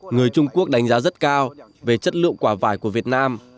người trung quốc đánh giá rất cao về chất lượng quả vải của việt nam